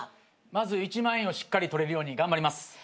まず１万円をしっかり取れるように頑張ります。